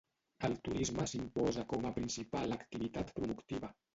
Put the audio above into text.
El turisme s'imposa com a principal activitat productiva.